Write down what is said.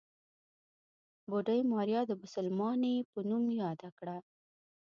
بوډۍ ماريا د بوسلمانې په نوم ياده کړه.